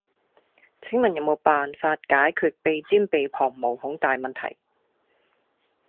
請問有無咩辦法解決鼻尖鼻旁毛孔大問題?